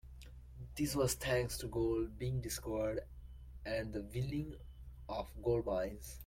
This was thanks to gold being discovered and the building of gold mines.